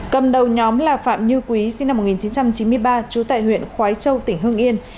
cầm đầu nhóm là phạm như quý sinh năm một nghìn chín trăm chín mươi ba chú tại huyện